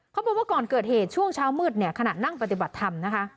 เขาบอกว่าก่อนเกิดเหตุช่วงเช้ามืดเนี่ยขณะนั่งปฏิบัติธรรมนะคะ